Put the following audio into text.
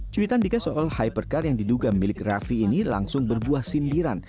cuitan dika soal hypercar yang diduga milik raffi ini langsung berbuah sindiran